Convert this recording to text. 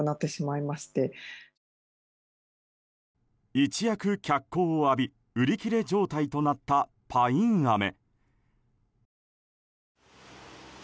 一躍、脚光を浴び売り切れ状態となったパインアメ。